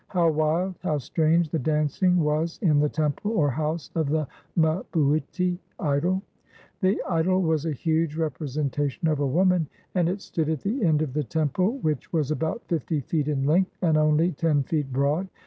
How wild, how strange the dancing was in the temple or house of the mhuiti (idol) ! The idol was a huge representation of a woman, and it stood at the end of the temple which was about fifty feet in length, and only ten feet broad.